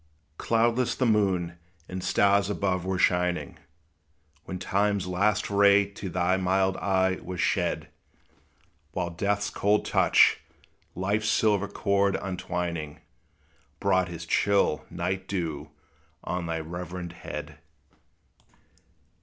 Cloudless the moon and stars above were shining, When time's last ray to thy mild eye was shed; While death's cold touch, life's silver cord untwining, Brought his chill night dew on thy reverend head.